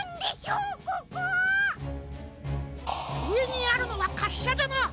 うえにあるのはかっしゃじゃな。